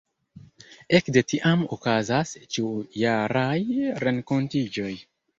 Ekde tiam okazas ĉiujaraj renkontiĝoj.